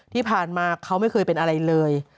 ที่ผ่านมาเขาไม่เคยเป็นอะไรเลย